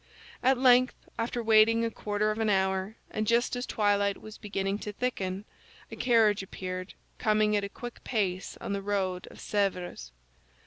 At length, after waiting a quarter of an hour and just as twilight was beginning to thicken, a carriage appeared, coming at a quick pace on the road of Sèvres.